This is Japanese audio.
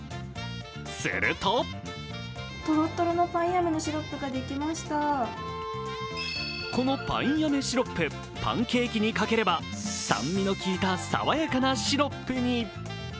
するとこのパインアメシロップ、パンケーキにかければ酸味の効いた爽やかなシロップに。